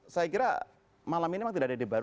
saya kira malam ini memang tidak ada ide baru